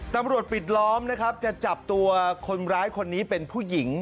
ปิดล้อมนะครับจะจับตัวคนร้ายคนนี้เป็นผู้หญิง